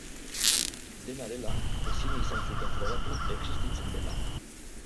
Dena dela, ezin izan zuten frogatu existitzen dela.